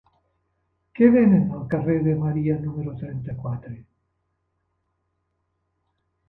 Què venen al carrer de Maria número trenta-quatre?